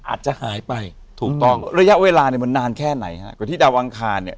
อาจจะหายไประยะเวลามันนานแค่ไหนครับกว่าที่ดาววังคาร